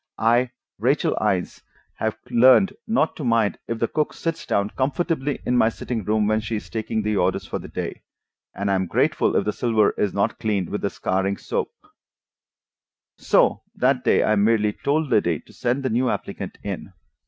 I, Rachel Innes, have learned not to mind if the cook sits down comfortably in my sitting room when she is taking the orders for the day, and I am grateful if the silver is not cleaned with scouring soap. And so that day I merely told Liddy to send the new applicant in.